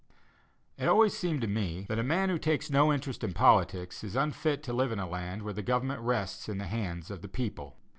It always seemed to me that a man who "takes no interest in politics" is unfit to live in a land where the government rests in the hands of the people.